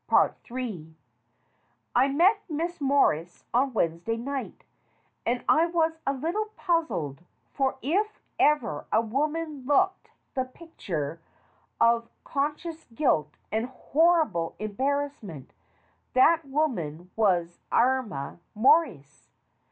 in I MET Miss Morrice on Wednesday night, and I was a little puzzled, for if ever a woman looked the picture of conscious guilt and horrible embarrassment, that woman was Irma Morrice.